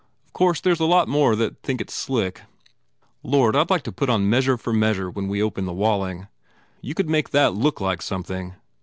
Of course, there s a lot more that think it s slick. Lord, I d like to put on Measure for Measure when we open the Walling! You could make that look like something.